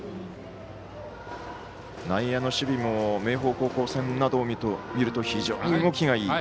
内野の守備も明豊高校戦などを見ると非常に動きがいい。